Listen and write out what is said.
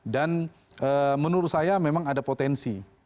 dan menurut saya memang ada potensi